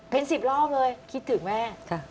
เป็น๑๐รอบเลยคิดถึงแม่